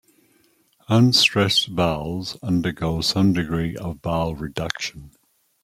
Unstressed vowels undergo some degree of vowel reduction.